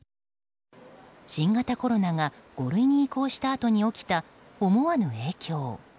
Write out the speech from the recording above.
新型コロナが５類に移行したあとに起きた思わぬ影響。